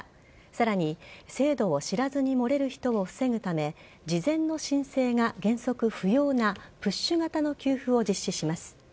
さらに、制度を知らずに漏れる人を防ぐため事前の申請が原則不要なプッシュ型の給付を実施します。